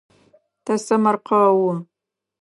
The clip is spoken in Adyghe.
Тэсэмэркъэу.